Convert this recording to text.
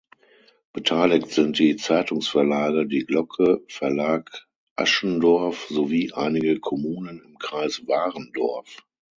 Beteiligt sind die Zeitungsverlage Die Glocke, Verlag Aschendorff sowie einige Kommunen im Kreis Warendorf.